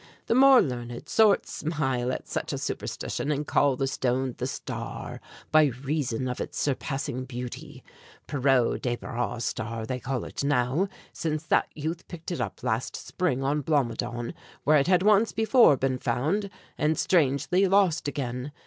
The more learned sort smile at such a superstition, and call the stone 'The Star' by reason of its surpassing beauty, Pierrot Desbarat's star, they call it now, since that youth picked it up last spring on Blomidon, where it had once before been found and strangely lost again.